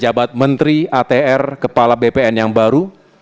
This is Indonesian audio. jabat menteri atr kepala bpn yang baru